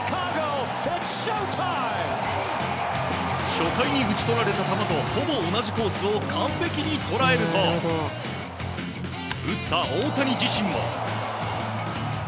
初回に打ち取られた球とほぼ同じコースを完璧に捉えると打った大谷自身も。